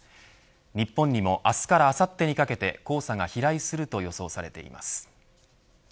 日本にも明日からあさってにかけて黄砂が飛来すると予想されています。